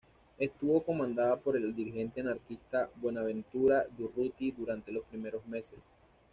Estuvo comandada por el dirigente anarquista Buenaventura Durruti durante los primeros meses.